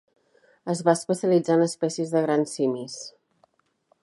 Es va especialitzar en espècies de grans simis.